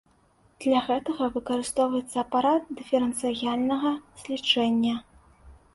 Для гэтага выкарыстоўваецца апарат дыферэнцыяльнага злічэння.